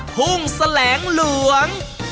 ทุ่งแสลงหลวง